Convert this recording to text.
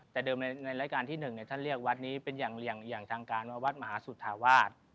แต่เดิมในรายการที่๑ท่านเรียกวัดนี้เป็นอย่างทางการว่าวัดมหาสุธาวาส